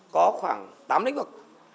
có khoảng tám lĩnh vực